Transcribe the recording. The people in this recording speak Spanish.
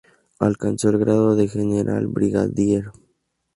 Alcanzó el Grado de General Brigadier.